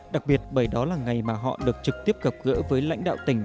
đặc biệt bởi đó là ngày mà họ được trực tiếp gặp gỡ với lãnh đạo tỉnh